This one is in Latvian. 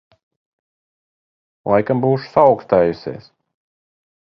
Laikam būšu saaukstējusies.